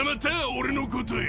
俺のことよ。